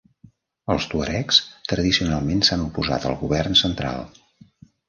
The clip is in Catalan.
Els tuaregs tradicionalment s'han oposat al govern central.